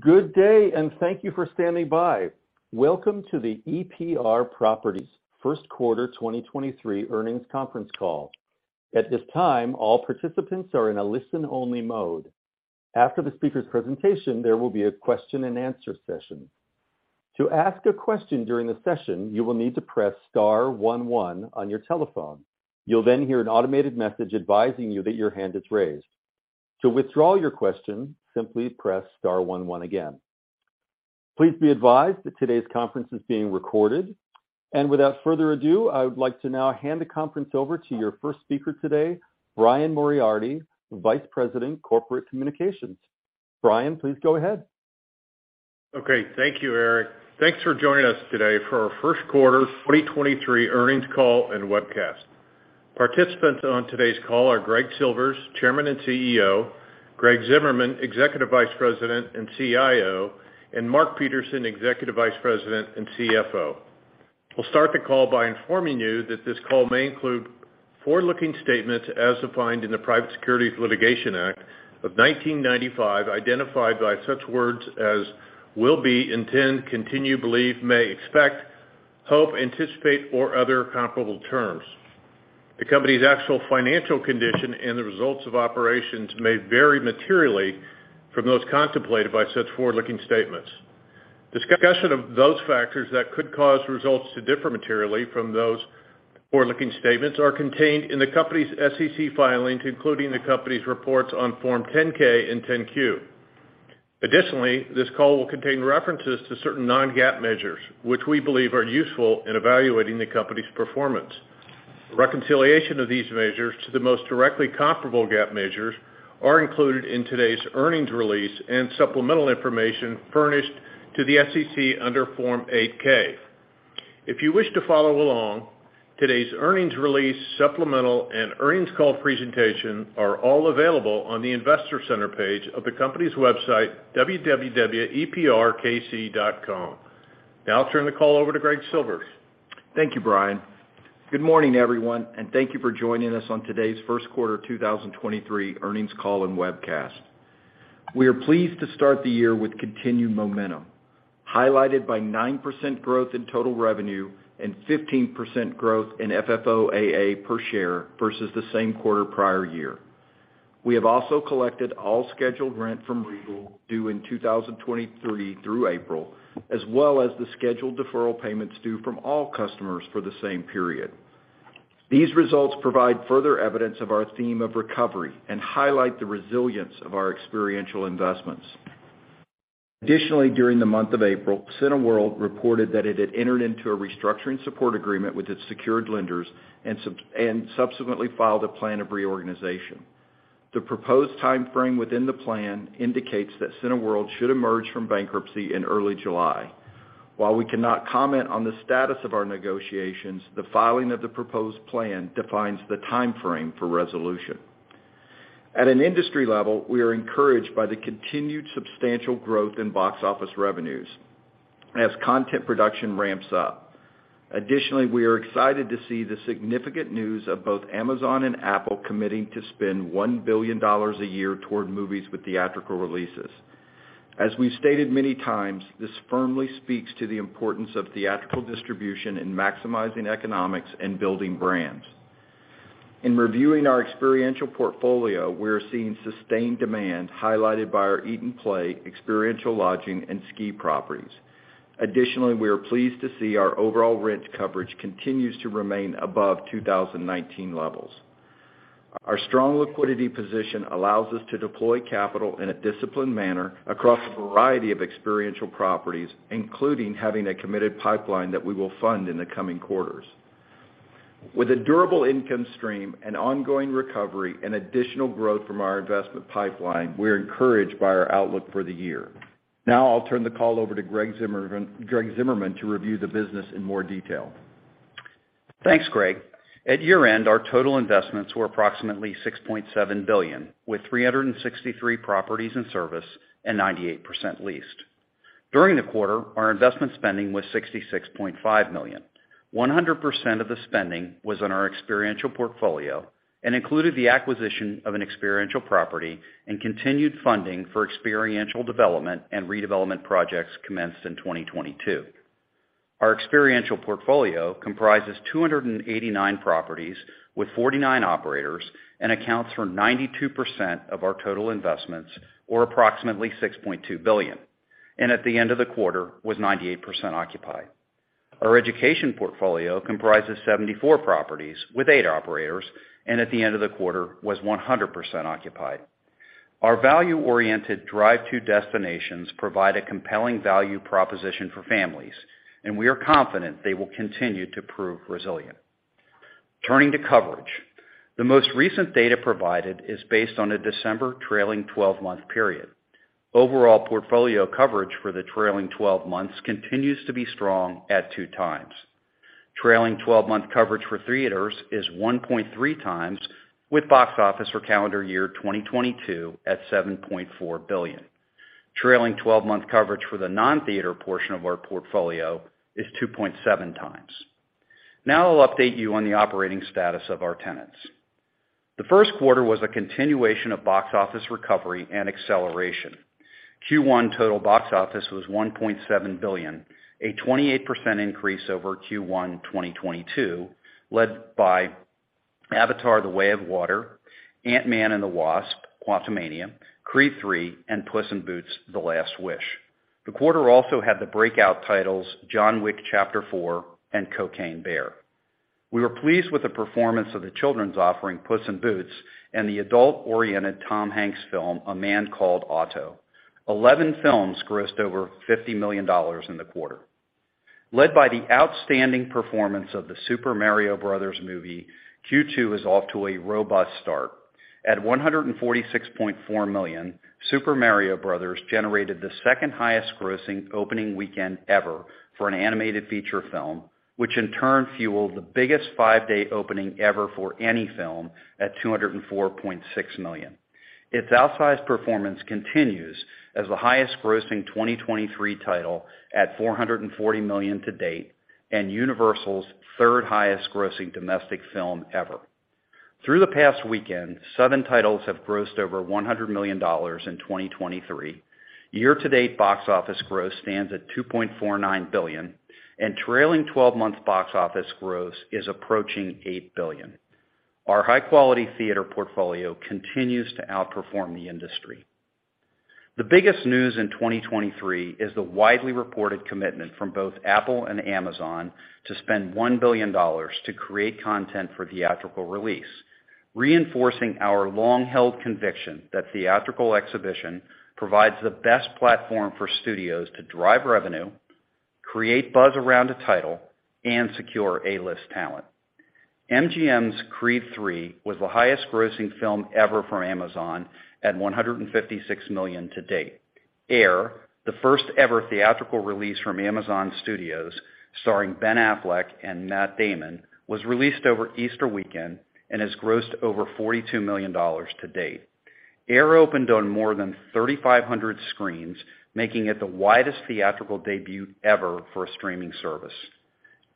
Good day, and thank you for standing by. Welcome to the EPR Properties first quarter 2023 earnings conference call. At this time, all participants are in a listen-only mode. After the speaker's presentation, there will be a question-and-answer session. To ask a question during the session, you will need to press star one one on your telephone. You'll then hear an automated message advising you that your hand is raised. To withdraw your question, simply press star one one again. Please be advised that today's conference is being recorded. Without further ado, I would like to now hand the conference over to your first speaker today, Brian Moriarty, Vice President, Corporate Communications. Brian, please go ahead. Okay. Thank you, Eric. Thanks for joining us today for our first quarter 2023 earnings call and webcast. Participants on today's call are Greg Silvers, Chairman and CEO, Greg Zimmerman, Executive Vice President and CIO, and Mark Peterson, Executive Vice President and CFO. We'll start the call by informing you that this call may include forward-looking statements as defined in the Private Securities Litigation Reform Act of 1995, identified by such words as will be, intend, continue, believe, may, expect, hope, anticipate, or other comparable terms. The company's actual financial condition and the results of operations may vary materially from those contemplated by such forward-looking statements. Discussion of those factors that could cause results to differ materially from those forward-looking statements are contained in the company's SEC filings, including the company's reports on Form 10-K and 10-Q. Additionally, this call will contain references to certain non-GAAP measures, which we believe are useful in evaluating the company's performance. Reconciliation of these measures to the most directly comparable GAAP measures are included in today's earnings release and supplemental information furnished to the SEC under Form 8-K. If you wish to follow along, today's earnings release, supplemental, and earnings call presentation are all available on the investor center page of the company's website, www.eprkc.com. Now I'll turn the call over to Greg Silvers. Thank you, Brian. Good morning, everyone. Thank you for joining us on today's first quarter 2023 earnings call and webcast. We are pleased to start the year with continued momentum, highlighted by 9% growth in total revenue and 15% growth in FFOA per share versus the same quarter prior year. We have also collected all scheduled rent from Regal due in 2023 through April, as well as the scheduled deferral payments due from all customers for the same period. These results provide further evidence of our theme of recovery and highlight the resilience of our experiential investments. Additionally, during the month of April, Cineworld reported that it had entered into a restructuring support agreement with its secured lenders and subsequently filed a plan of reorganization. The proposed timeframe within the plan indicates that Cineworld should emerge from bankruptcy in early July. While we cannot comment on the status of our negotiations, the filing of the proposed plan defines the timeframe for resolution. At an industry level, we are encouraged by the continued substantial growth in box office revenues as content production ramps up. Additionally, we are excited to see the significant news of both Amazon and Apple committing to spend $1 billion a year toward movies with theatrical releases. As we've stated many times, this firmly speaks to the importance of theatrical distribution in maximizing economics and building brands. In reviewing our experiential portfolio, we're seeing sustained demand highlighted by our eat and play experiential lodging and ski properties. Additionally, we are pleased to see our overall rent coverage continues to remain above 2019 levels. Our strong liquidity position allows us to deploy capital in a disciplined manner across a variety of experiential properties, including having a committed pipeline that we will fund in the coming quarters. With a durable income stream, an ongoing recovery, and additional growth from our investment pipeline, we're encouraged by our outlook for the year. I'll turn the call over to Greg Zimmerman to review the business in more detail. Thanks, Greg. At year-end, our total investments were approximately $6.7 billion, with 363 properties in service and 98% leased. During the quarter, our investment spending was $66.5 million. 100% of the spending was in our experiential portfolio and included the acquisition of an experiential property and continued funding for experiential development and redevelopment projects commenced in 2022. Our experiential portfolio comprises 289 properties with 49 operators and accounts for 92% of our total investments, or approximately $6.2 billion, and at the end of the quarter was 98% occupied. Our education portfolio comprises 74 properties with 8 operators, and at the end of the quarter was 100% occupied. Our value-oriented drive-to destinations provide a compelling value proposition for families, and we are confident they will continue to prove resilient. Turning to coverage. The most recent data provided is based on a December trailing twelve-month period. Overall portfolio coverage for the trailing twelve months continues to be strong at 2x. Trailing twelve-month coverage for theaters is 1.3x, with box office for calendar year 2022 at $7.4 billion. Trailing twelve-month coverage for the non-theater portion of our portfolio is 2.7x. I'll update you on the operating status of our tenants. The first quarter was a continuation of box office recovery and acceleration. Q1 total box office was $1.7 billion, a 28% increase over Q1 2022, led by Avatar: The Way of Water, Ant-Man and the Wasp: Quantumania, Creed III, and Puss in Boots: The Last Wish. The quarter also had the breakout titles John Wick: Chapter 4 and Cocaine Bear. We were pleased with the performance of the children's offering, Puss in Boots, and the adult-oriented Tom Hanks film, A Man Called Otto. 11 films grossed over $50 million in the quarter. Led by the outstanding performance of The Super Mario Bros. Movie, Q2 is off to a robust start. At $146.4 million, Super Mario Brothers generated the second-highest grossing opening weekend ever for an animated feature film, which in turn fueled the biggest five-day opening ever for any film at $204.6 million. Its outsized performance continues as the highest grossing 2023 title at $440 million to date and Universal's third highest grossing domestic film ever. Through the past weekend, seven titles have grossed over $100 million in 2023. Year-to-date box office growth stands at $2.49 billion. Trailing twelve-month box office growth is approaching $8 billion. Our high-quality theater portfolio continues to outperform the industry. The biggest news in 2023 is the widely reported commitment from both Apple and Amazon to spend $1 billion to create content for theatrical release, reinforcing our long-held conviction that theatrical exhibition provides the best platform for studios to drive revenue, create buzz around a title, and secure A-list talent. MGM's Creed III was the highest grossing film ever for Amazon at $156 million to date. Air, the first ever theatrical release from Amazon Studios starring Ben Affleck and Matt Damon, was released over Easter weekend and has grossed over $42 million to date. Air opened on more than 3,500 screens, making it the widest theatrical debut ever for a streaming service.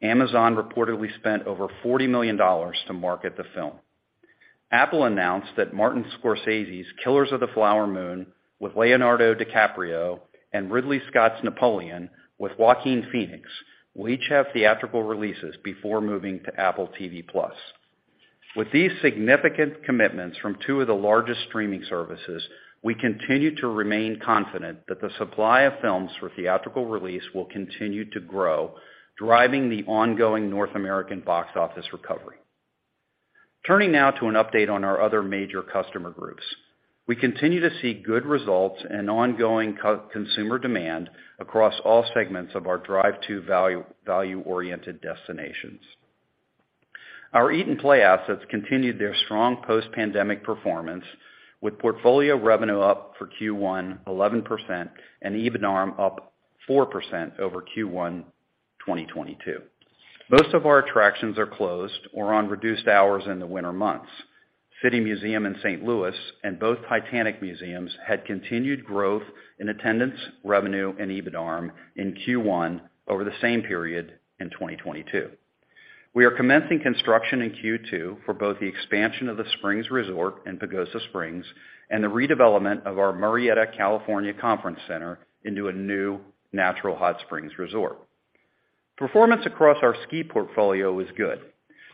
Amazon reportedly spent over $40 million to market the film. Apple announced that Martin Scorsese's Killers of the Flower Moon with Leonardo DiCaprio and Ridley Scott's Napoleon with Joaquin Phoenix will each have theatrical releases before moving to Apple TV+. These significant commitments from two of the largest streaming services, we continue to remain confident that the supply of films for theatrical release will continue to grow, driving the ongoing North American box office recovery. Turning now to an update on our other major customer groups. We continue to see good results and ongoing co-consumer demand across all segments of our drive to value-oriented destinations. Our Eat and Play assets continued their strong post-pandemic performance with portfolio revenue up for Q1 11% and EBITDARM up 4% over Q1 2022. Most of our attractions are closed or on reduced hours in the winter months. City Museum in-... St. Louis and both Titanic museums had continued growth in attendance, revenue, and EBITDARM in Q1 over the same period in 2022. We are commencing construction in Q2 for both the expansion of The Springs Resort in Pagosa Springs and the redevelopment of our Murrieta, California, Conference Center into a new natural hot springs resort. Performance across our ski portfolio was good.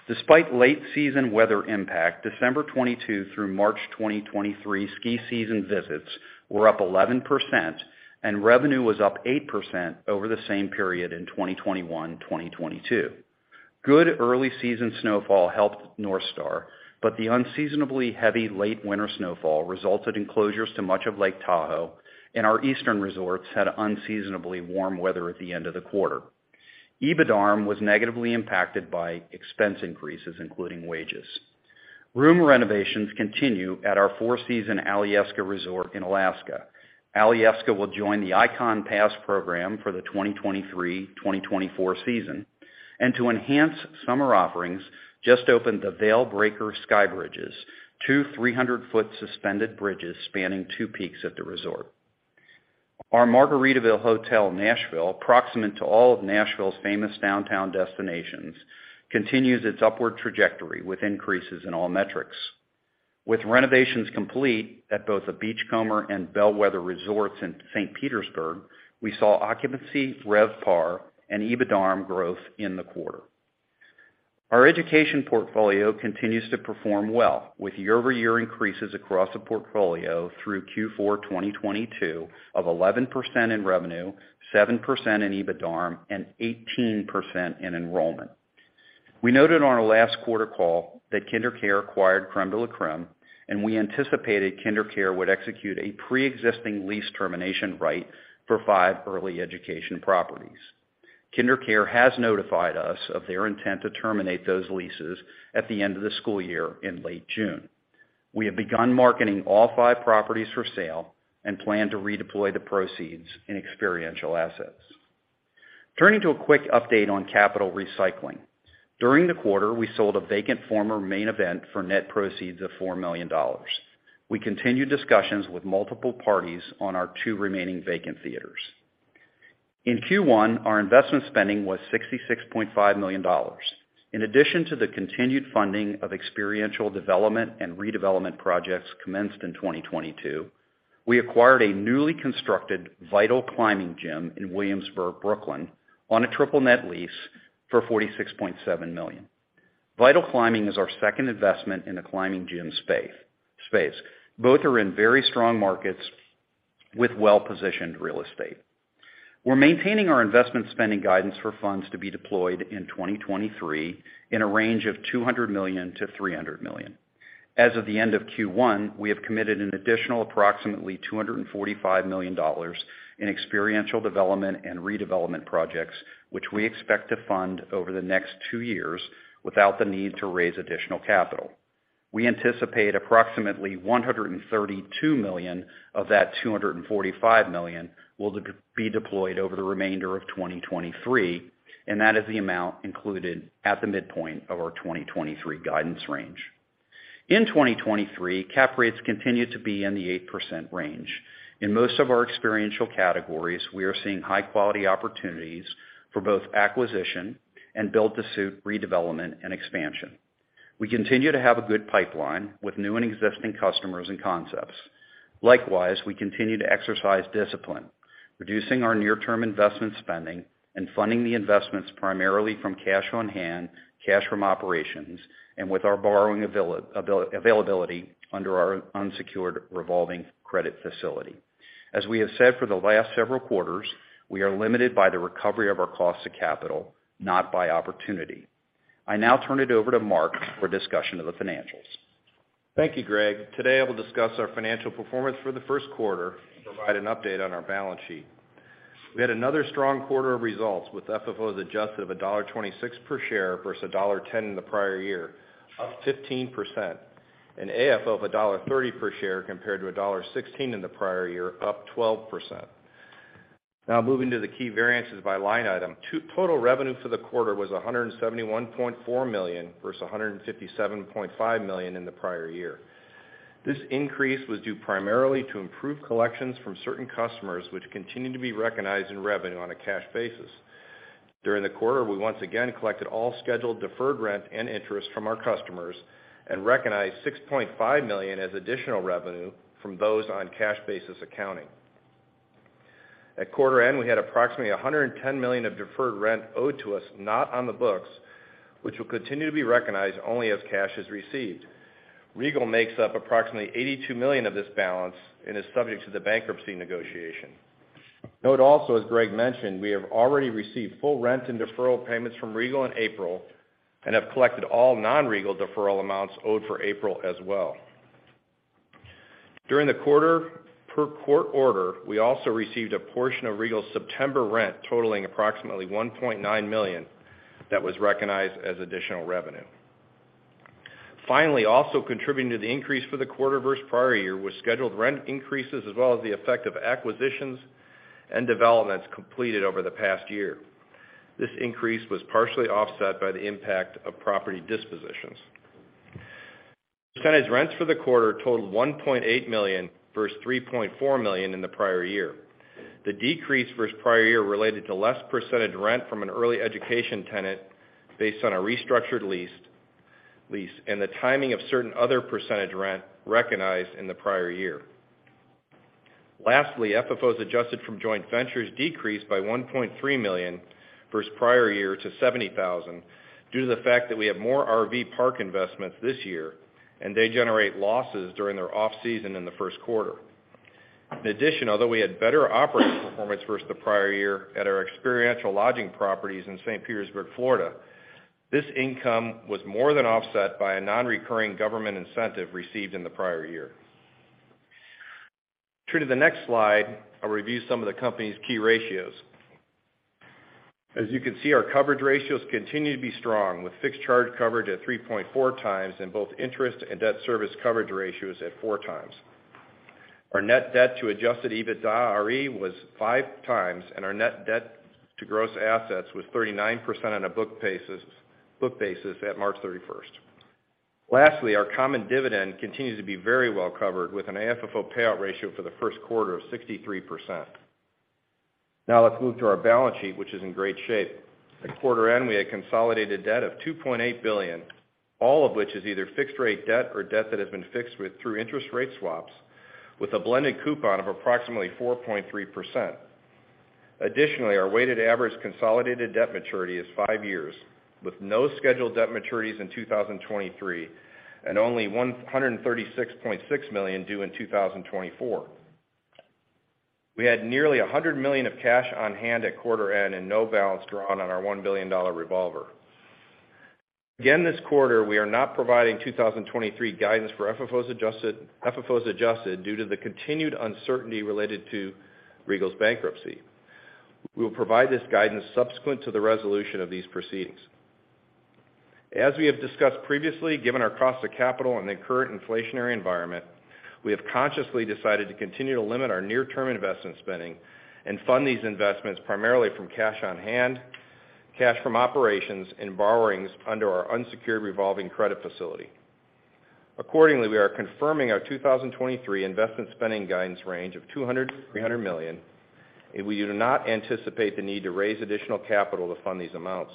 Despite late season weather impact, December 2022 through March 2023 ski season visits were up 11% and revenue was up 8% over the same period in 2021 to 2022. Good early season snowfall helped Northstar, but the unseasonably heavy late winter snowfall resulted in closures to much of Lake Tahoe, and our eastern resorts had unseasonably warm weather at the end of the quarter. EBITDARM was negatively impacted by expense increases, including wages. Room renovations continue at our four-season Alyeska Resort in Alaska. Alyeska will join the Ikon Pass program for the 2023, 2024 season, and to enhance summer offerings just opened the Veilbreaker Skybridges, two 300 foot suspended bridges spanning two peaks at the resort. Our Margaritaville Hotel Nashville, proximate to all of Nashville's famous downtown destinations, continues its upward trajectory with increases in all metrics. With renovations complete at both the Beachcomber and Bellwether Resorts in St. Petersburg, we saw occupancy, RevPAR, and EBITDARM growth in the quarter. Our education portfolio continues to perform well, with year-over-year increases across the portfolio through Q4 2022 of 11% in revenue, 7% in EBITDARM, and 18% in enrollment. We noted on our last quarter call that KinderCare acquired Crème de la Crème, and we anticipated KinderCare would execute a pre-existing lease termination right for 5 early education properties. KinderCare has notified us of their intent to terminate those leases at the end of the school year in late June. We have begun marketing all five properties for sale and plan to redeploy the proceeds in experiential assets. Turning to a quick update on capital recycling. During the quarter, we sold a vacant former Main Event for net proceeds of $4 million. We continue discussions with multiple parties on our two remaining vacant theaters. In Q1, our investment spending was $66.5 million. In addition to the continued funding of experiential development and redevelopment projects commenced in 2022, we acquired a newly constructed VITAL Climbing Gym in Williamsburg, Brooklyn, on a triple net lease for $46.7 million. VITAL Climbing is our second investment in the climbing gym space. Both are in very strong markets with well-positioned real estate. We're maintaining our investment spending guidance for funds to be deployed in 2023 in a range of $200 million to $300 million. As of the end of Q1, we have committed an additional approximately $245 million in experiential development and redevelopment projects, which we expect to fund over the next two years without the need to raise additional capital. We anticipate approximately $132 million of that $245 million will be deployed over the remainder of 2023. That is the amount included at the midpoint of our 2023 guidance range. In 2023, cap rates continue to be in the 8% range. In most of our experiential categories, we are seeing high-quality opportunities for both acquisition and build-to-suit redevelopment and expansion. We continue to have a good pipeline with new and existing customers and concepts. Likewise, we continue to exercise discipline, reducing our near-term investment spending and funding the investments primarily from cash on hand, cash from operations, and with our borrowing availability under our unsecured revolving credit facility. As we have said for the last several quarters, we are limited by the recovery of our cost of capital, not by opportunity. I now turn it over to Mark for a discussion of the financials. Thank you, Greg. Today, I will discuss our financial performance for the first quarter and provide an update on our balance sheet. We had another strong quarter of results, with FFOs adjusted of $1.26 per share versus $1.10 in the prior year, up 15%, and AFFO of $1.30 per share compared to $1.16 in the prior year, up 12%. Moving to the key variances by line item. Total revenue for the quarter was $171.4 million versus $157.5 million in the prior year. This increase was due primarily to improved collections from certain customers, which continue to be recognized in revenue on a cash basis. During the quarter, we once again collected all scheduled deferred rent and interest from our customers and recognized $6.5 million as additional revenue from those on cash basis accounting. At quarter end, we had approximately $110 million of deferred rent owed to us, not on the books, which will continue to be recognized only as cash is received. Regal makes up approximately $82 million of this balance and is subject to the bankruptcy negotiation. Note also, as Greg mentioned, we have already received full rent and deferral payments from Regal in April and have collected all non-Regal deferral amounts owed for April as well. During the quarter, per court order, we also received a portion of Regal's September rent totaling approximately $1.9 million that was recognized as additional revenue. Finally, also contributing to the increase for the quarter versus prior year was scheduled rent increases as well as the effect of acquisitions and developments completed over the past year. This increase was partially offset by the impact of property dispositions. Percentage rents for the quarter totaled $1.8 million versus $3.4 million in the prior year. The decrease versus prior year related to less percentage rent from an early education tenant based on a restructured lease and the timing of certain other percentage rent recognized in the prior year. Lastly, FFOs adjusted from joint ventures decreased by $1.3 million versus prior year to $70,000 due to the fact that we have more RV park investments this year, and they generate losses during their off-season in the first quarter. Although we had better operating performance versus the prior year at our experiential lodging properties in Saint Petersburg, Florida, this income was more than offset by a non-recurring government incentive received in the prior year. Turning to the next slide, I'll review some of the company's key ratios. As you can see, our coverage ratios continue to be strong, with fixed charge coverage at 3.4 times and both interest and debt service coverage ratios at 4 times. Our net debt to adjusted EBITDARE was 5 times, and our net debt to gross assets was 39% on a book basis at March 31st. Our common dividend continues to be very well covered, with an AFFO payout ratio for the first quarter of 63%. Let's move to our balance sheet, which is in great shape. At quarter end, we had consolidated debt of $2.8 billion, all of which is either fixed rate debt or debt that has been fixed through interest rate swaps with a blended coupon of approximately 4.3%. Additionally, our weighted average consolidated debt maturity is 5 years, with no scheduled debt maturities in 2023 and only $136.6 million due in 2024. We had nearly $100 million of cash on hand at quarter end and no balance drawn on our $1 billion revolver. Again, this quarter, we are not providing 2023 guidance for FFO as adjusted due to the continued uncertainty related to Regal's bankruptcy. We will provide this guidance subsequent to the resolution of these proceedings. As we have discussed previously, given our cost of capital in the current inflationary environment, we have consciously decided to continue to limit our near-term investment spending and fund these investments primarily from cash on hand, cash from operations, and borrowings under our unsecured revolving credit facility. We are confirming our 2023 investment spending guidance range of $200 million to $300 million, and we do not anticipate the need to raise additional capital to fund these amounts.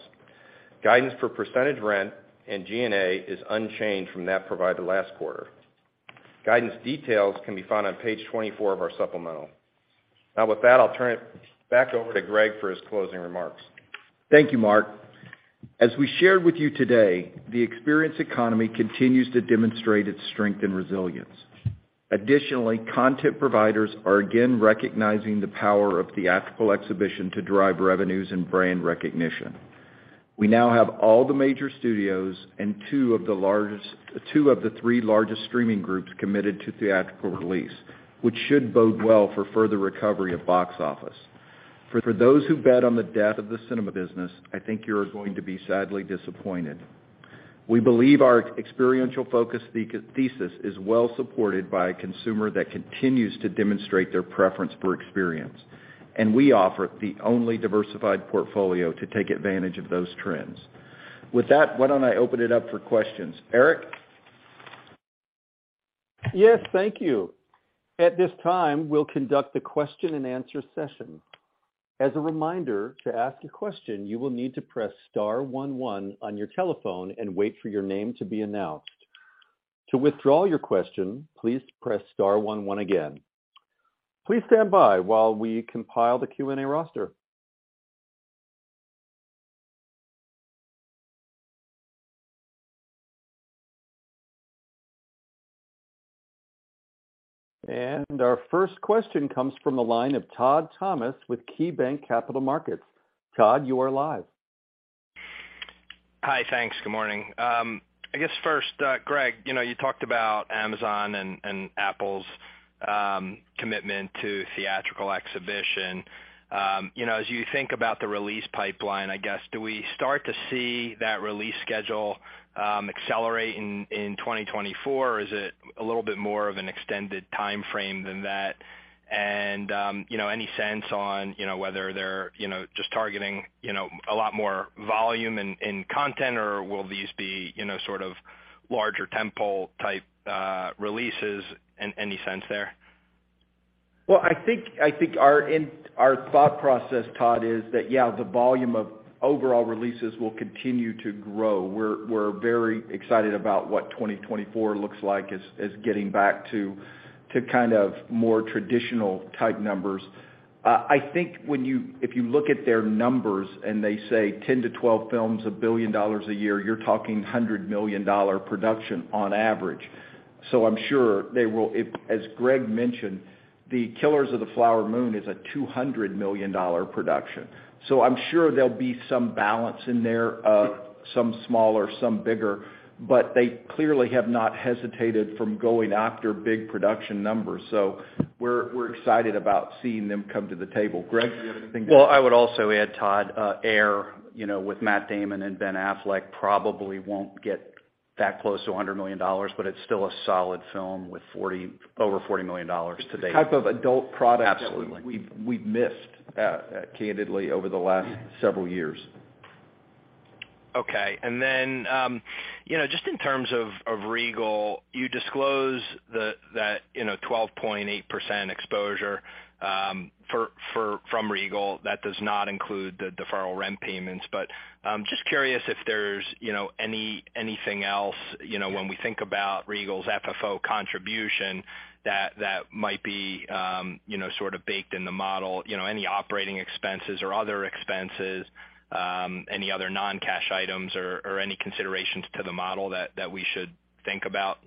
Guidance for percentage rent and G&A is unchanged from that provided last quarter. Guidance details can be found on page 24 of our supplemental. With that, I'll turn it back over to Greg for his closing remarks. Thank you, Mark. As we shared with you today, the experience economy continues to demonstrate its strength and resilience. Content providers are again recognizing the power of theatrical exhibition to drive revenues and brand recognition. We now have all the major studios and two of the three largest streaming groups committed to theatrical release, which should bode well for further recovery of box office. For those who bet on the death of the cinema business, I think you're going to be sadly disappointed. We believe our experiential focus thesis is well supported by a consumer that continues to demonstrate their preference for experience, and we offer the only diversified portfolio to take advantage of those trends. With that, why don't I open it up for questions. Eric? Yes, thank you. At this time, we'll conduct the question-and-answer session. As a reminder, to ask a question, you will need to press star one one on your telephone and wait for your name to be announced. To withdraw your question, please press star one one again. Please stand by while we compile the Q&A roster. Our first question comes from the line of Todd Thomas with KeyBanc Capital Markets. Todd, you are live. Hi. Thanks. Good morning. I guess first, Greg, you know, you talked about Amazon and Apple's commitment to theatrical exhibition. You know, as you think about the release pipeline, I guess, do we start to see that release schedule accelerate in 2024, or is it a little bit more of an extended timeframe than that? You know, any sense on, you know, whether they're, you know, just targeting, you know, a lot more volume in content, or will these be, you know, sort of larger temple-type releases? Any sense there? I think our thought process, Todd, is that, yeah, the volume of overall releases will continue to grow. We're very excited about what 2024 looks like as getting back to kind of more traditional type numbers. I think if you look at their numbers and they say 10 to 12 films, $1 billion a year, you're talking $100 million production on average. I'm sure they will. If, as Greg mentioned, Killers of the Flower Moon is a $200 million production. I'm sure there'll be some balance in there, some smaller, some bigger, but they clearly have not hesitated from going after big production numbers. We're excited about seeing them come to the table. Greg, do you have anything to add? Well, I would also add, Todd, Air, you know, with Matt Damon and Ben Affleck probably won't get that close to $100 million, but it's still a solid film with over $40 million to date. It's the type of adult. Absolutely. ...we've missed candidly over the last several years. Then, you know, just in terms of Regal, you disclose that, you know, 12.8% exposure from Regal. That does not include the deferral rent payments. Just curious if there's, you know, anything else, you know, when we think about Regal's FFO contribution that might be, you know, sort of baked in the model. You know, any operating expenses or other expenses, any other non-cash items or any considerations to the model that we should think about?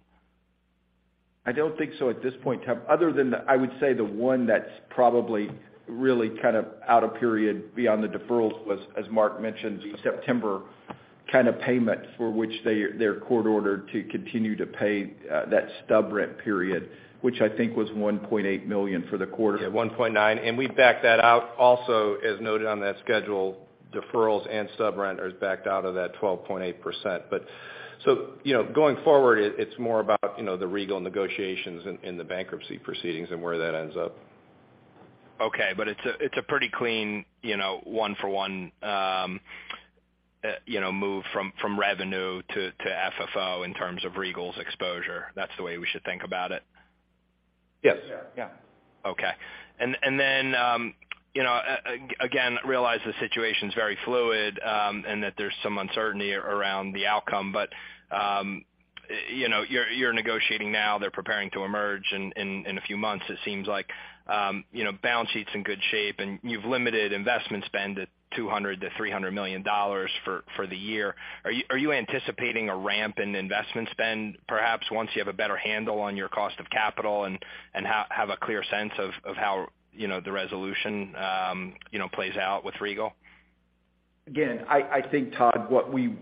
I don't think so at this point, Todd. Other than the I would say the one that's probably really kind of out of period beyond the deferrals was, as Mark mentioned, the September kind of payment for which they're court-ordered to continue to pay that stub rent period, which I think was $1.8 million for the quarter. Yeah, 1.9. We backed that out also, as noted on that schedule, deferrals and subrent are backed out of that 12.8%. You know, going forward, it's more about, you know, the Regal negotiations in the bankruptcy proceedings and where that ends up. Okay. It's a pretty clean, you know, one for one, you know, move from revenue to FFO in terms of Regal's exposure. That's the way we should think about it. Yes. Yeah. Yeah. Okay. Then, you know, again, realize the situation's very fluid, and that there's some uncertainty around the outcome. You know, you're negotiating now. They're preparing to emerge in a few months, it seems like. You know, balance sheet's in good shape, and you've limited investment spend at $200 million to $300 million for the year. Are you anticipating a ramp in investment spend, perhaps once you have a better handle on your cost of capital and have a clear sense of how, you know, the resolution, you know, plays out with Regal? I think, Todd, what we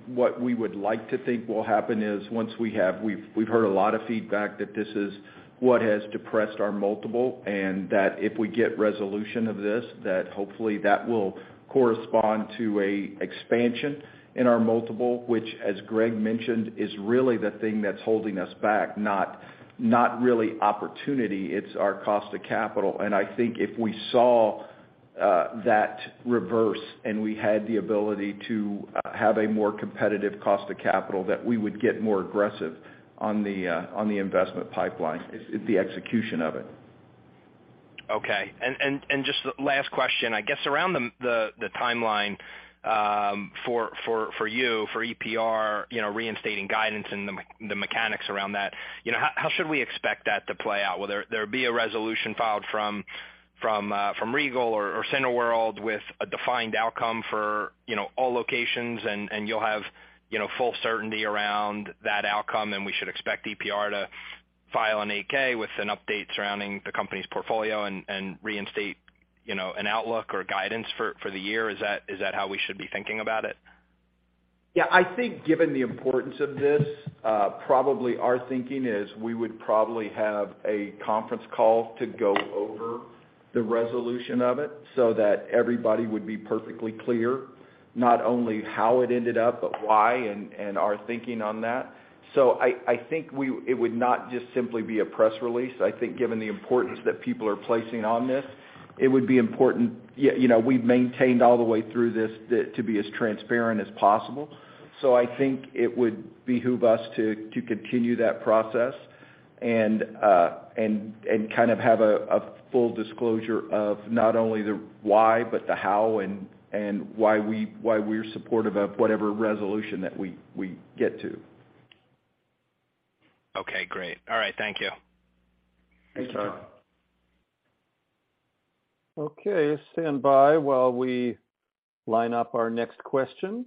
would like to think will happen is once we've heard a lot of feedback that this is what has depressed our multiple, and that if we get resolution of this, that hopefully that will correspond to a expansion in our multiple, which as Greg mentioned, is really the thing that's holding us back, not really opportunity, it's our cost of capital. I think if we saw that reverse, and we had the ability to have a more competitive cost of capital that we would get more aggressive on the investment pipeline, the execution of it. Okay. Just the last question, I guess, around the timeline, for you, for EPR, you know, reinstating guidance and the mechanics around that, you know, how should we expect that to play out? Will there be a resolution filed from Regal or Cineworld with a defined outcome for, you know, all locations and you'll have, you know, full certainty around that outcome, and we should expect EPR to file an 8-K with an update surrounding the company's portfolio and reinstate, you know, an outlook or guidance for the year? Is that how we should be thinking about it? I think given the importance of this, probably our thinking is we would probably have a conference call to go over the resolution of it so that everybody would be perfectly clear, not only how it ended up, but why and our thinking on that. I think it would not just simply be a press release. I think, given the importance that people are placing on this, it would be important. You know, we've maintained all the way through this to be as transparent as possible. I think it would behoove us to continue that process and kind of have a full disclosure of not only the why, but the how and why we're supportive of whatever resolution that we get to. Okay, great. All right. Thank you. Thanks, Todd. Okay, stand by while we line up our next question.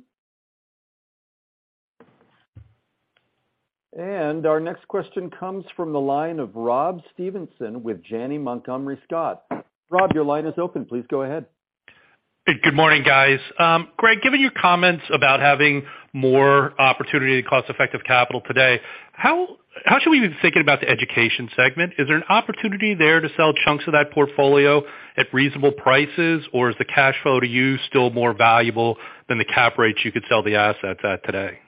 Our next question comes from the line of Rob Stevenson with Janney Montgomery Scott. Rob, your line is open. Please go ahead. Good morning, guys. Greg, given your comments about having more opportunity to cost effective capital today, how should we even be thinking about the education segment? Is there an opportunity there to sell chunks of that portfolio at reasonable prices, or is the cash flow to you still more valuable than the cap rates you could sell the assets at today?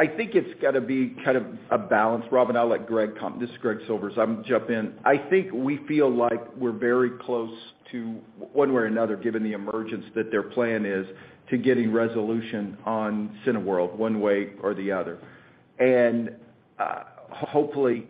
I think it's got to be kind of a balance. Rob, I'll let Greg. This is Greg Silvers. I'm gonna jump in. I think we feel like we're very close to, one way or another, given the emergence that their plan is, to getting resolution on Cineworld one way or the other. Hopefully,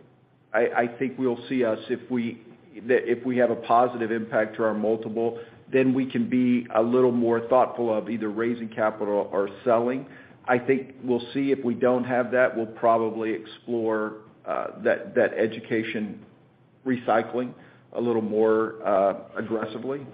I think we'll see us that if we have a positive impact to our multiple, then we can be a little more thoughtful of either raising capital or selling. I think we'll see if we don't have that, we'll probably explore that education recycling a little more aggressively.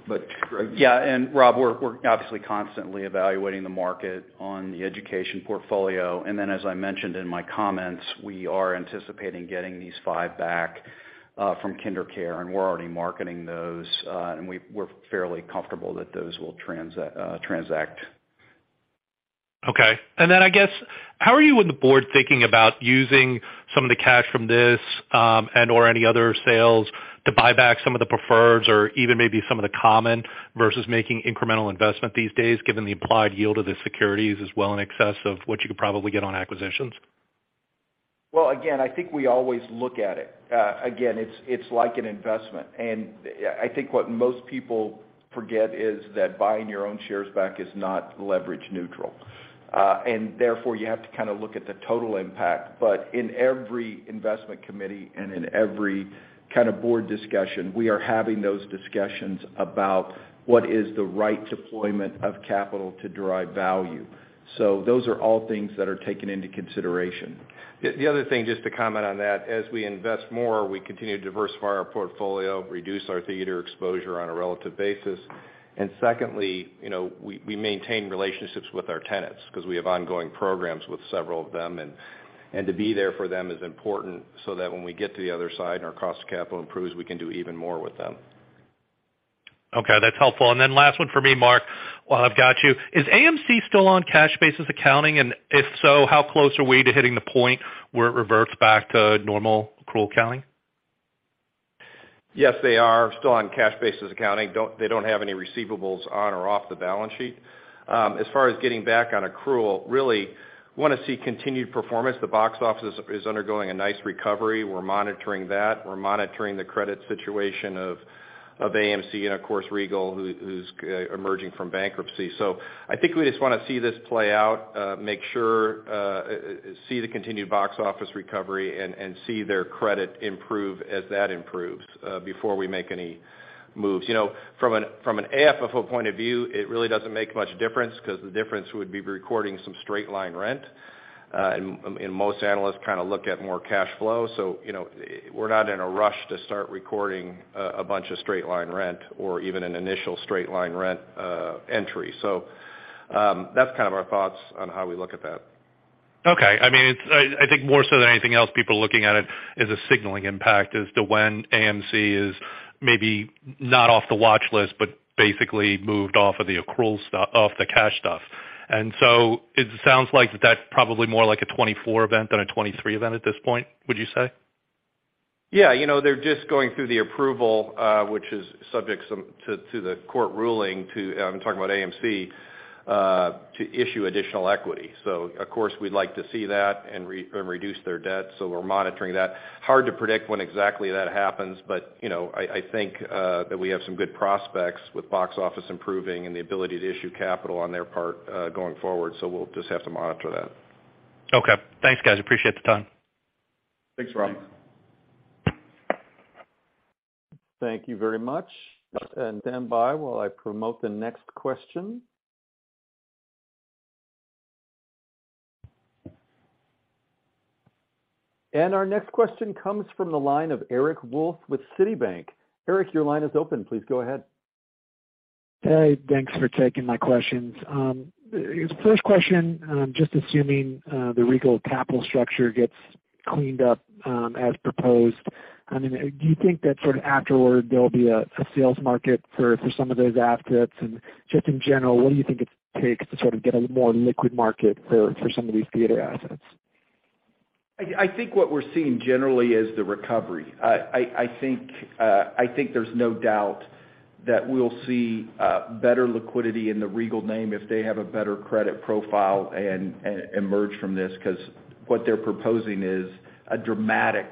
Greg. Yeah. Rob, we're obviously constantly evaluating the market on the education portfolio. As I mentioned in my comments, we are anticipating getting these five back from KinderCare, and we're fairly comfortable that those will transact. Okay. Then I guess, how are you and the board thinking about using some of the cash from this, and/or any other sales to buy back some of the preferreds or even maybe some of the common versus making incremental investment these days, given the implied yield of the securities is well in excess of what you could probably get on acquisitions? Well, again, I think we always look at it. Again, it's like an investment. I think what most people forget is that buying your own shares back is not leverage neutral. Therefore, you have to kind of look at the total impact. In every investment committee and in every kind of board discussion, we are having those discussions about what is the right deployment of capital to drive value. Those are all things that are taken into consideration. The other thing, just to comment on that, as we invest more, we continue to diversify our portfolio, reduce our theater exposure on a relative basis. Secondly, you know, we maintain relationships with our tenants because we have ongoing programs with several of them. To be there for them is important so that when we get to the other side and our cost of capital improves, we can do even more with them. Okay, that's helpful. Last one for me, Mark, while I've got you. Is AMC still on cash basis accounting? If so, how close are we to hitting the point where it reverts back to normal accrual accounting? Yes, they are still on cash basis accounting. They don't have any receivables on or off the balance sheet. As far as getting back on accrual, really want to see continued performance. The box office is undergoing a nice recovery. We're monitoring that. We're monitoring the credit situation of AMC and of course, Regal, who's emerging from bankruptcy. I think we just want to see this play out, make sure, see the continued box office recovery and see their credit improve as that improves, before we make any moves. You know, from an AFFO point of view, it really doesn't make much difference because the difference would be recording some straight line rent. Most analysts kind of look at more cash flow. You know, we're not in a rush to start recording a bunch of straight line rent or even an initial straight line rent entry. That's kind of our thoughts on how we look at that. Okay. I mean, I think more so than anything else, people are looking at it as a signaling impact as to when AMC is maybe not off the watch list, but basically moved off of the accrual stuff, off the cash stuff. So it sounds like that's probably more like a 2024 event than a 2023 event at this point, would you say? Yeah, you know, they're just going through the approval, which is subject to the court ruling. I'm talking about AMC. To issue additional equity. Of course, we'd like to see that and reduce their debt. We're monitoring that. Hard to predict when exactly that happens, but, you know, I think that we have some good prospects with box office improving and the ability to issue capital on their part going forward. We'll just have to monitor that. Okay. Thanks, guys. Appreciate the time. Thanks, Rob. Thank you very much. Stand by while I promote the next question. Our next question comes from the line of Eric Wolfe with Citi. Eric, your line is open. Please go ahead. Hey, thanks for taking my questions. First question, I mean, just assuming the Regal capital structure gets cleaned up as proposed, do you think that sort of afterward there'll be a sales market for some of those assets? Just in general, what do you think it takes to sort of get a more liquid market for some of these theater assets? I think what we're seeing generally is the recovery. I think there's no doubt that we'll see better liquidity in the Regal name if they have a better credit profile and emerge from this. 'Cause what they're proposing is a dramatic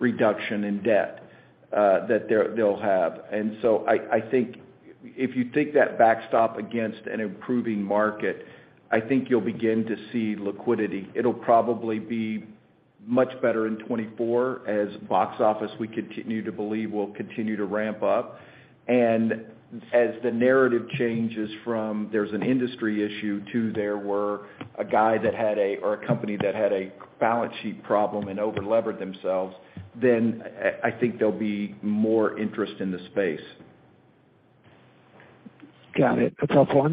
reduction in debt that they'll have. I think if you take that backstop against an improving market, I think you'll begin to see liquidity. It'll probably be much better in 2024 as box office, we continue to believe will continue to ramp up. As the narrative changes from there's an industry issue to there were a guy that had or a company that had a balance sheet problem and over-levered themselves, then I think there'll be more interest in the space. Got it. That's helpful.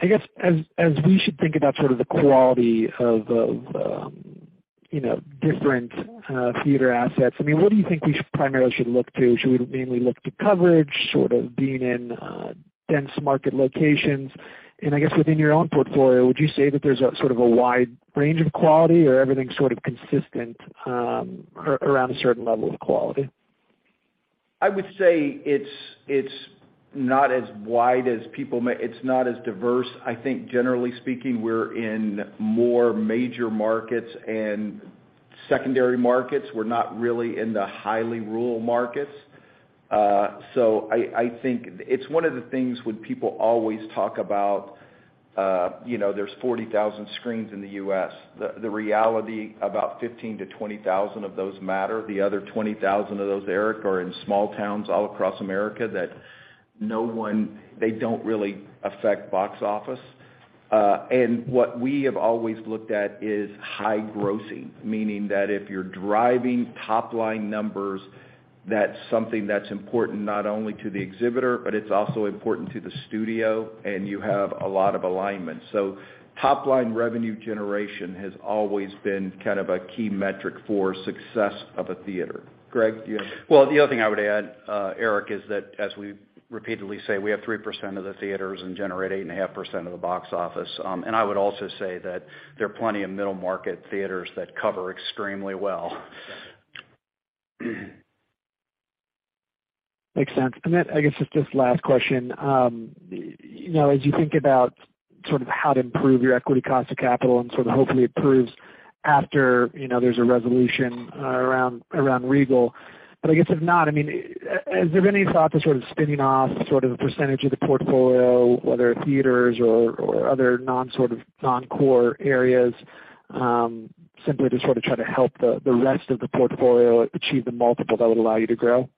I guess as we should think about sort of the quality of, you know, different, theater assets, I mean, what do you think we primarily should look to? Should we mainly look to coverage, sort of being in, dense market locations? I guess within your own portfolio, would you say that there's a sort of a wide range of quality or everything sort of consistent, around a certain level of quality? I would say it's not as wide as people may... It's not as diverse. I think generally speaking, we're in more major markets and secondary markets. We're not really in the highly rural markets. I think it's one of the things when people always talk about, you know, there's 40,000 screens in the US, the reality, about 15,000 to 20,000 of those matter. The other 20,000 of those, Eric, are in small towns all across America that no one, they don't really affect box office. What we have always looked at is high grossing, meaning that if you're driving top-line numbers, that's something that's important not only to the exhibitor, but it's also important to the studio, and you have a lot of alignment. Top-line revenue generation has always been kind of a key metric for success of a theater. Greg. Well, the other thing I would add, Eric, is that as we repeatedly say, we have 3% of the theaters and generate 8.5% of the box office. I would also say that there are plenty of middle market theaters that cover extremely well. Makes sense. I guess just this last question. You know, as you think about sort of how to improve your equity cost of capital and sort of hopefully improves after, you know, there's a resolution around Regal. I guess, if not, I mean, has there been any thought to sort of spinning off sort of a percentage of the portfolio, whether theaters or other non sort of non-core areas, simply to sort of try to help the rest of the portfolio achieve the multiple that would allow you to grow?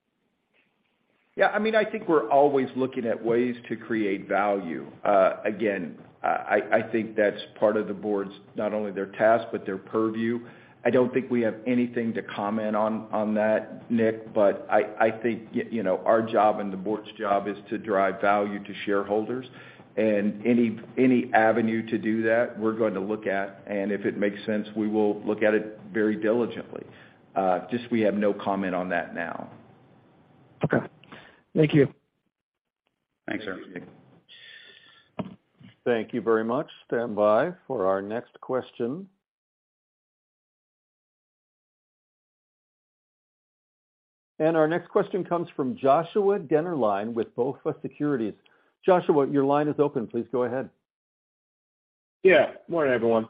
Yeah, I mean, I think we're always looking at ways to create value. Again, I think that's part of the board's, not only their task, but their purview. I don't think we have anything to comment on that, Nick, but I think, you know, our job and the board's job is to drive value to shareholders. Any avenue to do that, we're going to look at, and if it makes sense, we will look at it very diligently. Just we have no comment on that now. Okay. Thank you. Thanks, Eric. Thank you very much. Stand by for our next question. Our next question comes from Joshua Dennerlein with BofA Securities. Joshua, your line is open. Please go ahead. Yeah. Morning, everyone.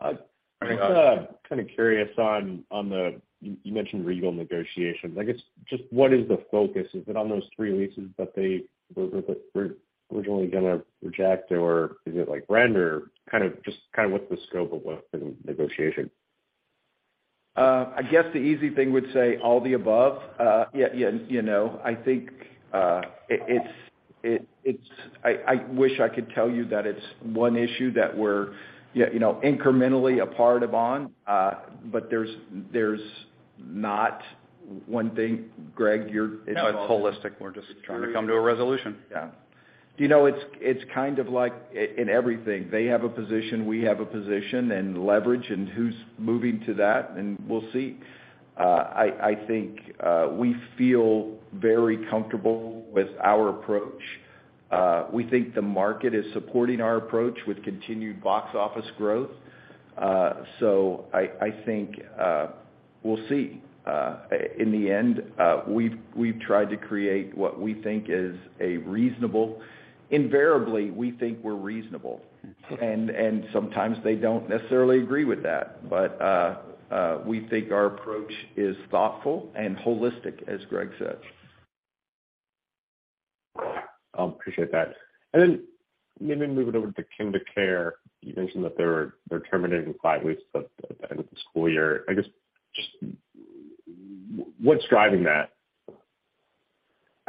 Morning, Josh. I'm kind of curious on the, you mentioned Regal negotiations. I guess, just what is the focus? Is it on those three leases that they were originally gonna reject or is it like rent or kind of just what's the scope of what's been negotiation? I guess the easy thing would say all the above. You know, I think it's... I wish I could tell you that it's one issue that we're, you know, incrementally a part upon, but there's not one thing. Greg, you're- No, it's holistic. We're just trying to come to a resolution.... Yeah. You know, it's kind of like in everything. They have a position, we have a position, and leverage and who's moving to that, and we'll see. I think we feel very comfortable with our approach. We think the market is supporting our approach with continued box office growth. I think. We'll see. In the end, we've tried to create what we think is a reasonable... Invariably, we think we're reasonable. Sometimes they don't necessarily agree with that. We think our approach is thoughtful and holistic, as Greg said. Appreciate that. Maybe moving over to KinderCare. You mentioned that they're terminating 5 leases at the end of the school year. I guess, just what's driving that?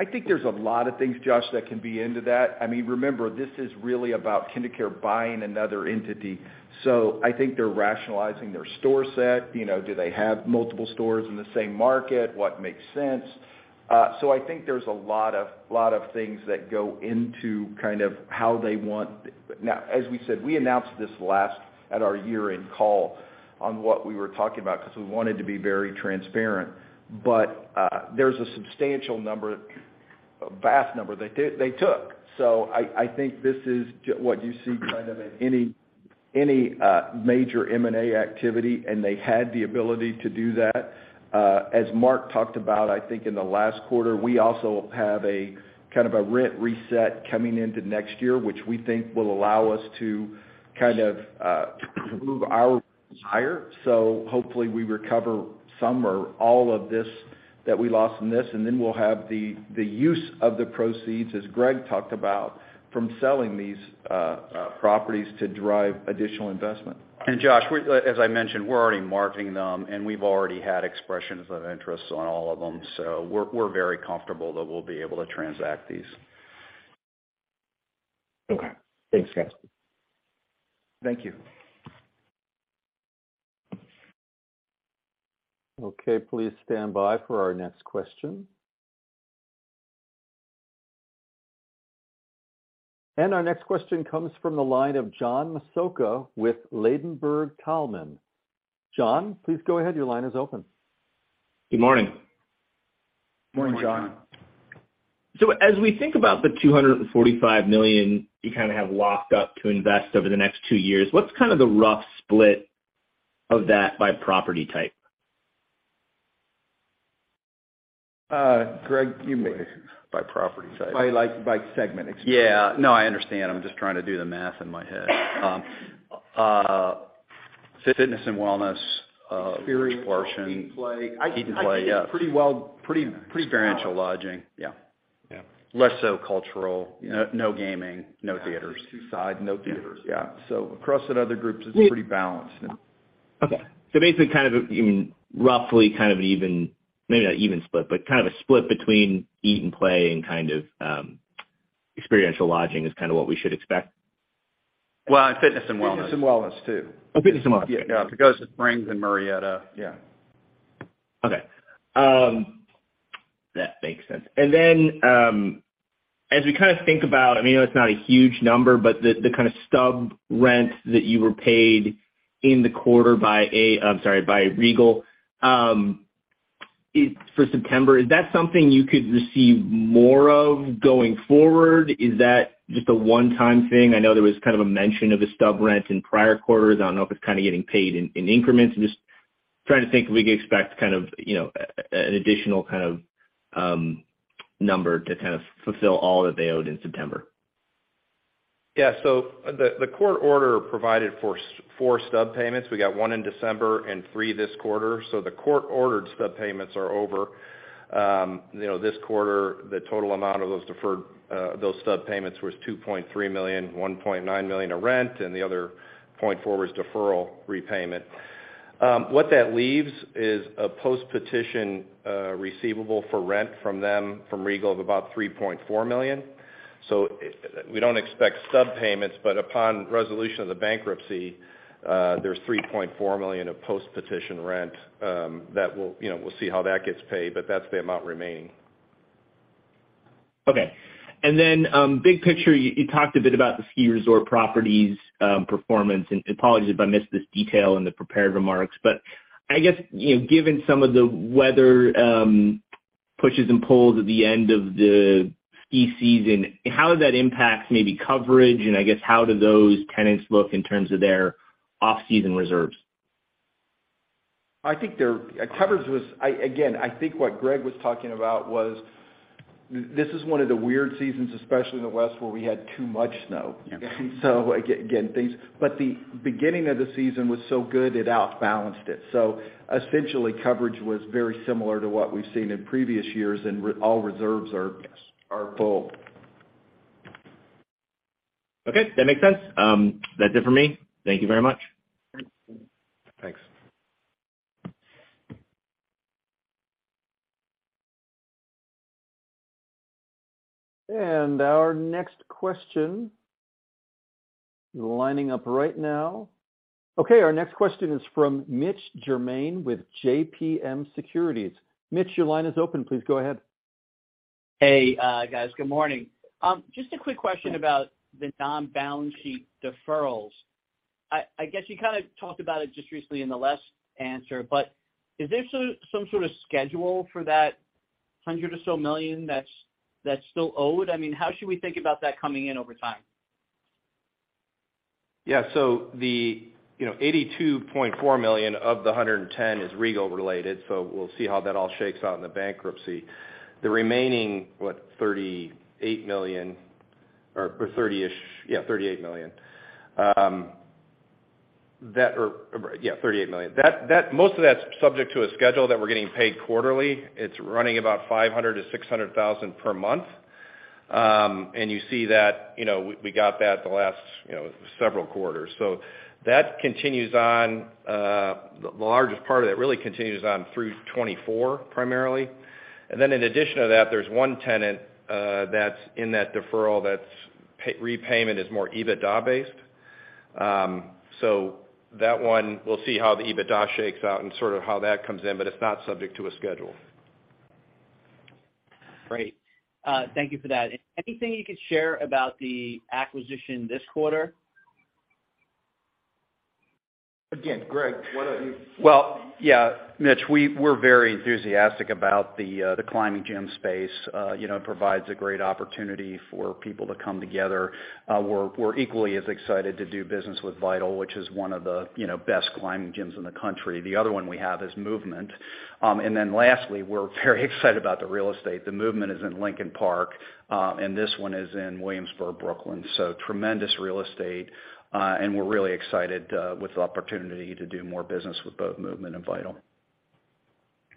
I think there's a lot of things, Josh, that can be into that. I mean, remember, this is really about KinderCare buying another entity. I think they're rationalizing their store set. You know, do they have multiple stores in the same market? What makes sense? I think there's a lot of things that go into kind of how they want... As we said, we announced this last at our year-end call on what we were talking about because we wanted to be very transparent. There's a substantial number, a vast number they took. I think this is what you see kind of in any major M&A activity, and they had the ability to do that. As Mark talked about, I think in the last quarter, we also have a kind of a rent reset coming into next year, which we think will allow us to kind of move our higher. Hopefully we recover some or all of this that we lost from this, and then we'll have the use of the proceeds, as Greg talked about, from selling these properties to drive additional investment. Josh, as I mentioned, we're already marketing them, and we've already had expressions of interest on all of them, so we're very comfortable that we'll be able to transact these. Okay. Thanks, guys. Thank you. Okay, please stand by for our next question. Our next question comes from the line of John Massocca with Ladenburg Thalmann. John, please go ahead. Your line is open. Good morning. Morning, John. Morning, John. As we think about the $245 million you kind of have locked up to invest over the next 2 years, what's kind of the rough split of that by property type? Greg... By property type. By like, by segment, excuse me. Yeah. No, I understand. I'm just trying to do the math in my head. Fitness and wellness, large portion. Experience, eat and play. Eat and play, yeah. I'd say it's pretty well, pretty balanced. Experiential lodging. Yeah. Less so cultural, no gaming, no theaters. Yeah, there's 2 side. No theaters. Yeah. Across that other groups, it's pretty balanced. Okay. basically kind of, you know, roughly kind of an even, maybe not even split, but kind of a split between eat and play and kind of, experiential lodging is kind of what we should expect. Well, and fitness and wellness. Fitness and wellness too. Oh, fitness and wellness. Yeah, because of Springs and Murrieta. Okay. That makes sense. As we kind of think about... I mean, I know it's not a huge number, but the kind of stub rents that you were paid in the quarter by Regal, for September, is that something you could receive more of going forward? Is that just a one-time thing? I know there was kind of a mention of a stub rent in prior quarters. I don't know if it's kind of getting paid in increments. I'm just trying to think if we could expect kind of, you know, an additional kind of number to kind of fulfill all that they owed in September. Yeah. The court order provided for four stub payments. We got one in December and three this quarter. The court-ordered stub payments are over. You know, this quarter, the total amount of those deferred, those stub payments was $2.3 million, $1.9 million of rent, and the other $0.4 million was deferral repayment. What that leaves is a post-petition receivable for rent from them, from Regal, of about $3.4 million. We don't expect stub payments, but upon resolution of the bankruptcy, there's $3.4 million of post-petition rent that we'll, you know, we'll see how that gets paid, but that's the amount remaining. Okay. Big picture, you talked a bit about the ski resort properties performance, and apologies if I missed this detail in the prepared remarks. I guess, you know, given some of the weather pushes and pulls at the end of the ski season, how does that impact maybe coverage? How do those tenants look in terms of their off-season reserves? I think their coverage was, again, I think what Greg was talking about was this is one of the weird seasons, especially in the West, where we had too much snow. Yeah. Again, things. The beginning of the season was so good, it outbalanced it. Essentially, coverage was very similar to what we've seen in previous years, and all reserves are- Yes.... are full. Okay, that makes sense. That's it for me. Thank you very much. Thanks. Thanks. Our next question lining up right now. Okay, our next question is from Mitch Germain with JMP Securities. Mitch, your line is open. Please go ahead. Guys. Good morning. Just a quick question about the non-balance sheet deferrals. I guess you kind of talked about it just recently in the last answer. Is there some sort of schedule for that $100 million or so that's still owed? I mean, how should we think about that coming in over time? The, you know, $82.4 million of the $110 is Regal related, so we'll see how that all shakes out in the bankruptcy. The remaining, what? $38 million or thirty-ish... Yeah, $38 million. Most of that's subject to a schedule that we're getting paid quarterly. It's running about $500,000 to $600,000 per month. And you see that, you know, we got that the last, you know, several quarters. That continues on, the largest part of it really continues on through 2024, primarily. In addition to that, there's one tenant that's in that deferral that's repayment is more EBITDA based. That one we'll see how the EBITDA shakes out and sort of how that comes in, but it's not subject to a schedule. Great. Thank you for that. Anything you could share about the acquisition this quarter? Again, Greg, why don't you. Well, yeah, Mitch, we're very enthusiastic about the climbing gym space. You know, it provides a great opportunity for people to come together. We're equally as excited to do business with VITAL, which is one of the, you know, best climbing gyms in the country. The other one we have is Movement. Lastly, we're very excited about the real estate. The Movement is in Lincoln Park. This one is in Williamsburg, Brooklyn. Tremendous real estate. We're really excited with the opportunity to do more business with both Movement and VITAL.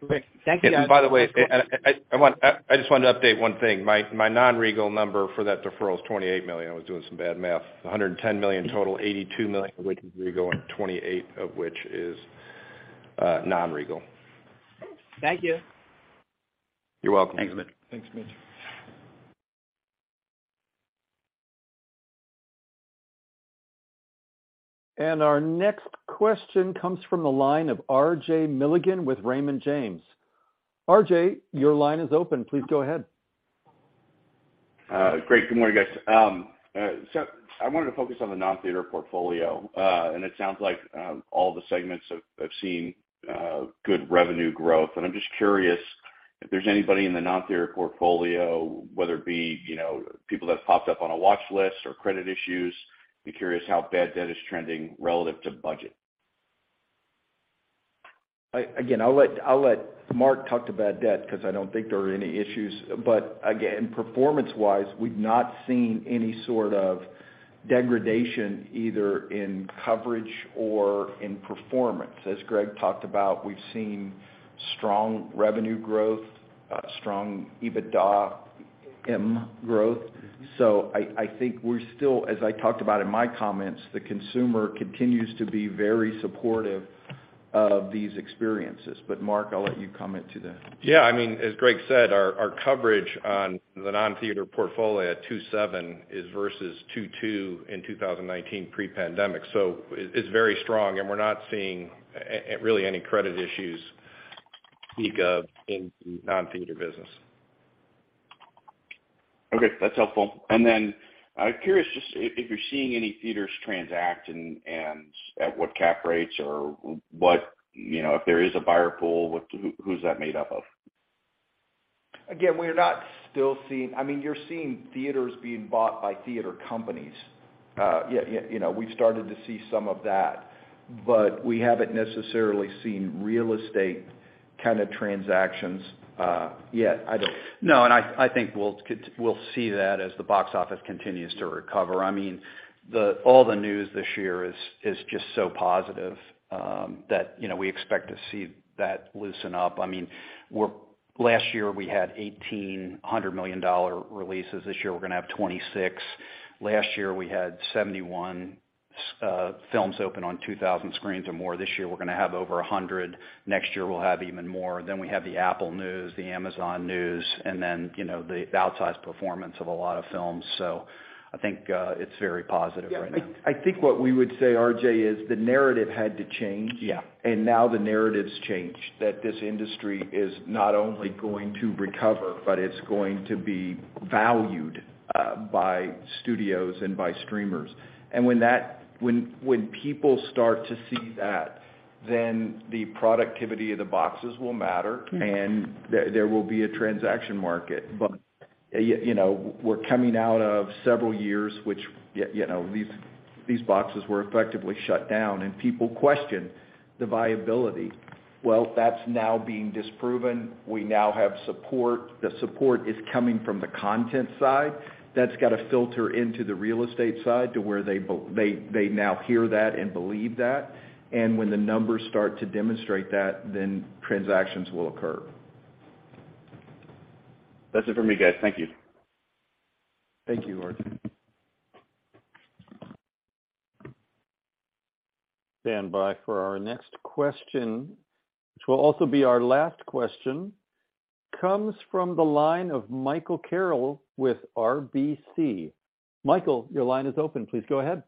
Great. Thank you guys. By the way, and I just wanted to update one thing. My non-Regal number for that deferral is $28 million. I was doing some bad math. $110 million total, $82 million of which is Regal, and $28 million of which is non-Regal. Thanks. Thank you. You're welcome. Thanks, Mitch. Thanks, Mitch. Our next question comes from the line of RJ Milligan with Raymond James. RJ, your line is open. Please go ahead. Great. Good morning, guys. I wanted to focus on the non-theater portfolio. It sounds like all the segments have seen good revenue growth, and I'm just curious if there's anybody in the non-theater portfolio, whether it be, you know, people that have popped up on a watch list or credit issues. Be curious how bad debt is trending relative to budget. Again, I'll let Mark talk to bad debt because I don't think there are any issues. Again, performance-wise, we've not seen any sort of degradation either in coverage or in performance. As Greg talked about, we've seen strong revenue growth, strong EBITDARM growth. I think we're still, as I talked about in my comments, the consumer continues to be very supportive of these experiences. Mark, I'll let you comment to that. Yeah, I mean, as Greg said, our coverage on the non-theater portfolio at 2.7 is versus 2.2 in 2019 pre-pandemic. It's very strong, and we're not seeing really any credit issues, speak of, in the non-theater business. Okay, that's helpful. I'm curious just if you're seeing any theaters transact and at what cap rates or what, you know, if there is a buyer pool, who's that made up of? We're not still seeing, I mean, you're seeing theaters being bought by theater companies. Yeah, you know, we've started to see some of that, but we haven't necessarily seen real estate kind of transactions yet. No, I think we'll see that as the box office continues to recover. I mean, all the news this year is just so positive, that, you know, we expect to see that loosen up. I mean, last year we had 1,800 million dollar releases. This year we're gonna have 26. Last year we had 71 films open on 2,000 screens or more. This year we're gonna have over 100. Next year we'll have even more. Then we have the Apple News, the Amazon News, and then, you know, the outsized performance of a lot of films. I think it's very positive right now. Yeah. I think what we would say, RJ, is the narrative had to change. Yeah. Now the narrative's changed, that this industry is not only going to recover, but it's going to be valued by studios and by streamers. When people start to see that, then the productivity of the boxes will matter, and there will be a transaction market. You know, we're coming out of several years which you know, these boxes were effectively shut down, and people question the viability. Well, that's now being disproven. We now have support. The support is coming from the content side. That's gotta filter into the real estate side to where they now hear that and believe that. When the numbers start to demonstrate that, then transactions will occur. That's it for me, guys. Thank you. Thank you, RJ. Stand by for our next question, which will also be our last question, comes from the line of Michael Carroll with RBC. Michael, your line is open. Please go ahead.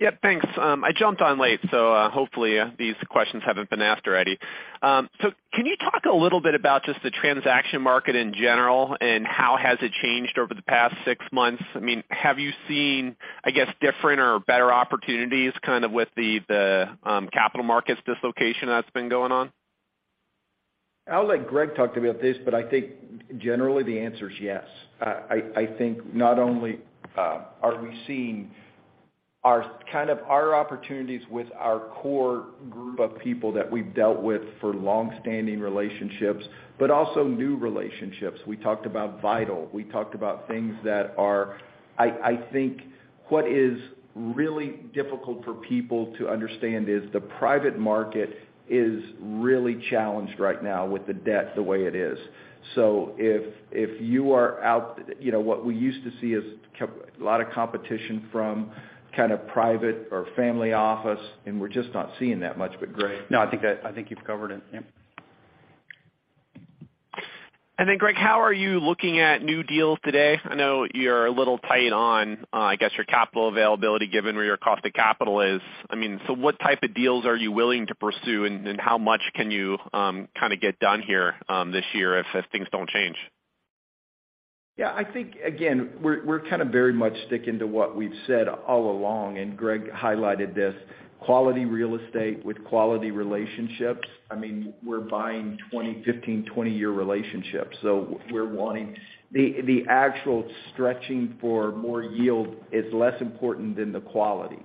Yep, thanks. I jumped on late, so hopefully these questions haven't been asked already. Can you talk a little bit about just the transaction market in general and how has it changed over the past six months? I mean, have you seen, I guess, different or better opportunities kind of with the capital markets dislocation that's been going on? I'll let Greg talk about this. I think generally the answer is yes. I think not only are we seeing our opportunities with our core group of people that we've dealt with for long-standing relationships, but also new relationships. We talked about VITAL. I think what is really difficult for people to understand is the private market is really challenged right now with the debt the way it is. If you are out, you know, what we used to see is a lot of competition from kind of private or family office, and we're just not seeing that much. Greg. No, I think you've covered it. Yeah. Greg, how are you looking at new deals today? I know you're a little tight on, I guess, your capital availability, given where your cost of capital is. I mean, what type of deals are you willing to pursue? How much can you get done here this year if things don't change? Yeah, I think, again, we're kind of very much sticking to what we've said all along, and Greg highlighted this, quality real estate with quality relationships. I mean, we're buying 20, 15, 20-year relationships, so we're wanting. The actual stretching for more yield is less important than the quality.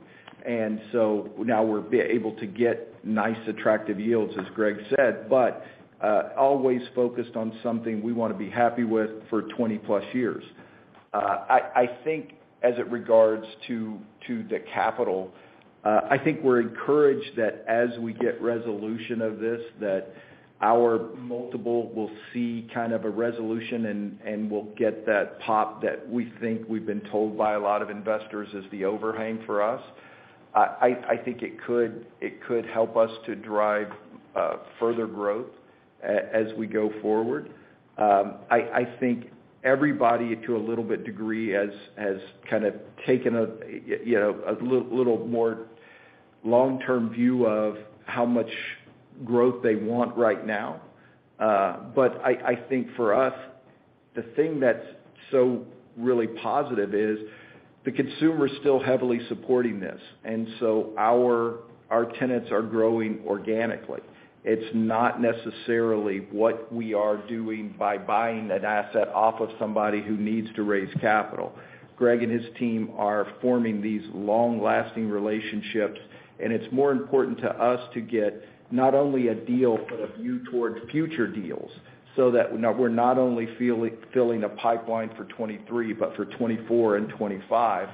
Now we're able to get nice, attractive yields, as Greg said, but always focused on something we wanna be happy with for 20+ years. I think as it regards to the capital, I think we're encouraged that as we get resolution of this, that our multiple will see kind of a resolution and we'll get that pop that we think we've been told by a lot of investors is the overhang for us. I think it could help us to drive further growth as we go forward. I think everybody to a little bit degree has kind of taken a, you know, a little more long-term view of how much growth they want right now. But I think for us, the thing that's so really positive is the consumer's still heavily supporting this. Our tenants are growing organically. It's not necessarily what we are doing by buying an asset off of somebody who needs to raise capital. Greg and his team are forming these long-lasting relationships, and it's more important to us to get not only a deal, but a view towards future deals, so that we're not only filling a pipeline for 23, but for 24 and 25.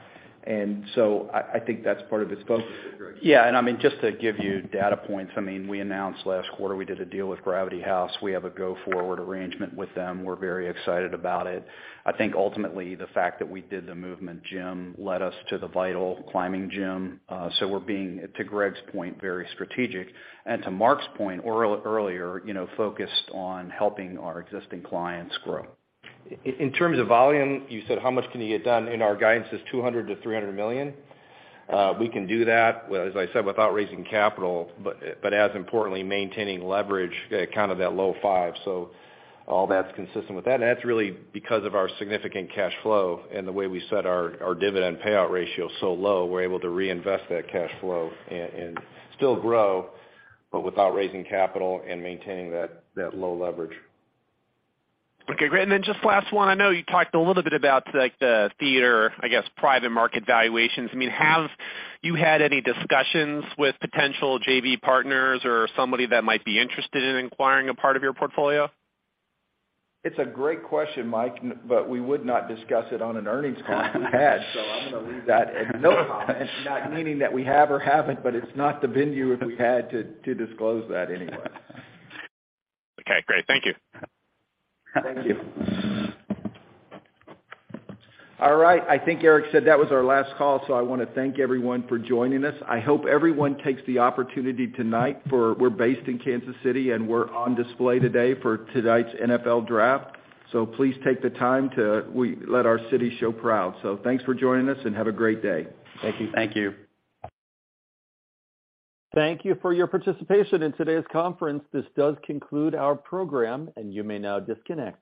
I think that's part of his focus. Greg. I mean, just to give you data points, I mean, we announced last quarter we did a deal with Gravity Haus. We have a go-forward arrangement with them. We're very excited about it. I think ultimately, the fact that we did the Movement gym led us to the VITAL climbing gym, we're being, to Greg's point, very strategic, and to Mark's point earlier, you know, focused on helping our existing clients grow. In terms of volume, you said how much can you get done? Our guidance is $200 million to $300 million. We can do that, as I said, without raising capital, but as importantly, maintaining leverage at kind of that low five. All that's consistent with that. That's really because of our significant cash flow and the way we set our dividend payout ratio so low, we're able to reinvest that cash flow and still grow, but without raising capital and maintaining that low leverage. Okay, great. Just last one. I know you talked a little bit about, like, the theater, I guess, private market valuations. I mean, have you had any discussions with potential JV partners or somebody that might be interested in acquiring a part of your portfolio? It's a great question, Mike. We would not discuss it on an earnings call if we had. I'm gonna leave that at no comment. Not meaning that we have or haven't, but it's not the venue if we had to disclose that anyway. Okay, great. Thank you. Thank you. All right. I think Eric said that was our last call. I wanna thank everyone for joining us. I hope everyone takes the opportunity tonight for... We're based in Kansas City, and we're on display today for tonight's NFL Draft. Please take the time to let our city show proud. Thanks for joining us, and have a great day. Thank you. Thank you. Thank you for your participation in today's conference. This does conclude our program, and you may now disconnect.